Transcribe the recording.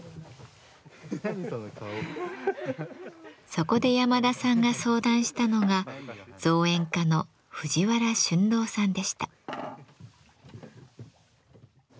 そこで山田さんが相談したのが造園家の藤原駿朗さんでした。